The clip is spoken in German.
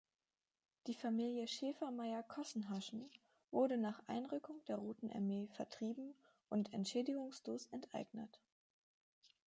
Die Familie Schäfermeier-Kossenhaschen wurde nach Einrücken der Roten Armee vertrieben und entschädigungslos enteignet.